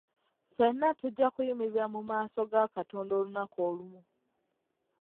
Ffenna tujja kuyimiria mu maaso ga Katonda olunaku olumu.